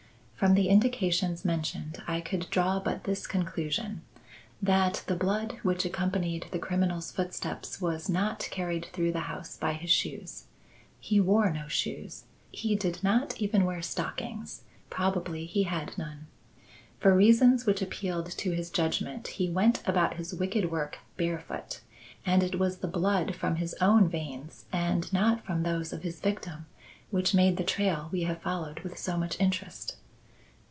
From the indications mentioned I could draw but this conclusion: that the blood which accompanied the criminal's footsteps was not carried through the house by his shoes; he wore no shoes; he did not even wear stockings; probably he had none. For reasons which appealed to his judgment, he went about his wicked work barefoot; and it was the blood from his own veins and not from those of his victim which made the trail we have followed with so much interest.